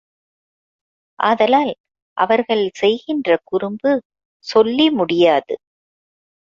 ஆதலால் அவர்கள் செய்கின்ற குறும்பு சொல்லி முடியாது.